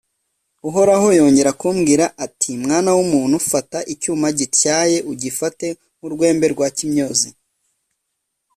Uhoraho yongera kumbwira ati «Mwana w’umuntu, fata icyuma gityaye, ugifate nk’urwembe rwa kimyozi